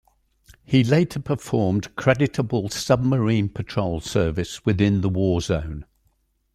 He later performed creditable submarine patrol service within the war zone.